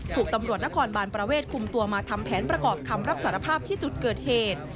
ถูกตำรวจนครบานประเวทคุมตัวมาทำแผนประกอบคำรับสารภาพที่จุดเกิดเหตุ